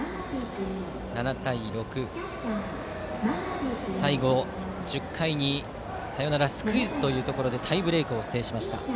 ７対６、最後１０回にサヨナラスクイズでタイブレークを制しました。